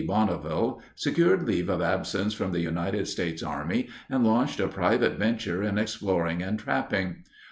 Bonneville secured leave of absence from the United States Army and launched a private venture in exploring and trapping.